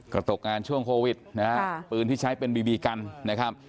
ก็ตกงานช่วงโควิดนะฮะปืนที่ใช้เป็นบีบีกันนะครับ